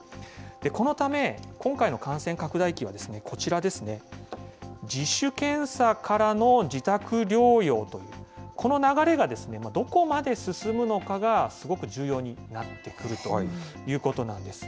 このため、今回の感染拡大期はこちらですね、自主検査からの自宅療養という、この流れがどこまで進むのかがすごく重要になってくるということなんです。